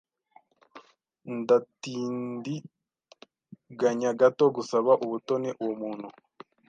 Ndatindiganya gato gusaba ubutoni uwo muntu.